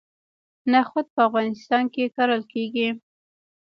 نخود په افغانستان کې کرل کیږي.